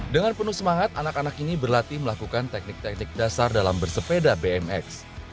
dengan penuh semangat anak anak ini berlatih melakukan teknik teknik dasar dalam bersepeda bmx